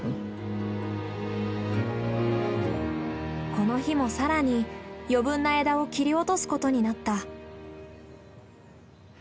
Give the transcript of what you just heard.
この日も更に余分な枝を切り落とすことになった。